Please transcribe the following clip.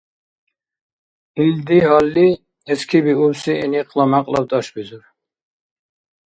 Илди гьалли эскибиубси гӀиникъла мякьлаб тӀашбизур.